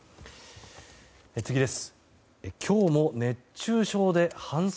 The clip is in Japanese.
次です。